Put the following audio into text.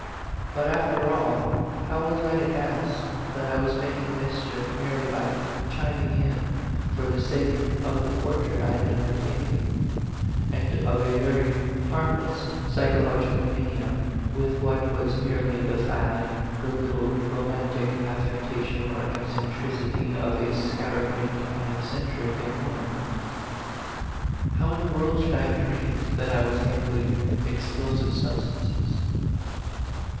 But, after all, how was I to guess that I was making mischief merely by chiming in, for the sake of the portrait I had undertaken, and of a very harmless psychological mania, with what was merely the fad, the little ro mantic affectation or eccentricity, of a scat ter brained and eccentric young woman ? How in the world should I have dreamed that I was handling explosive substances?